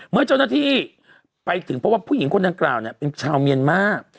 เมื่อเจ้าหน้าที่ไปถึงเพราะว่าผู้หญิงคนดังกล่าวเป็นชาวเมียนมาร์